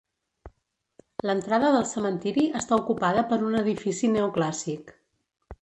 L'entrada del cementiri està ocupada per un edifici neoclàssic.